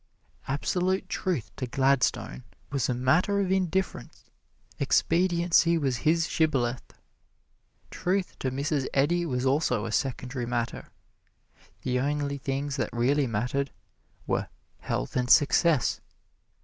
Absolute truth to Gladstone was a matter of indifference expediency was his shibboleth. Truth to Mrs. Eddy was also a secondary matter; the only things that really mattered were Health and Success.